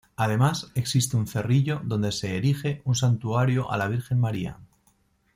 Además, existe un cerrillo donde se erige un santuario a la Virgen María.